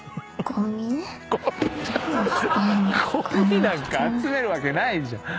ゴミなんか集めるわけないじゃん！